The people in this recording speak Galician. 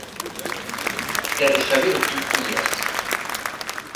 Quero saber o que ti es.